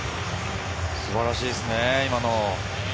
素晴らしいですね。